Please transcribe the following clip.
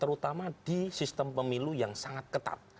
terutama di sistem pemilu yang sangat ketat